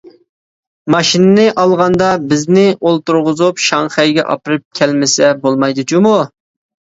ماشىنىنى ئالغاندا بىزنى ئولتۇرغۇزۇپ شاڭخەيگە ئاپىرىپ كەلمىسە بولمايدۇ جۇمۇ.